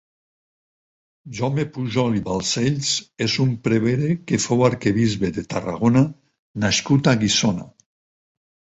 Jaume Pujol i Balcells és un prevere que fou arquebisbe de Tarragona nascut a Guissona.